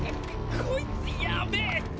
こいつやべぇ！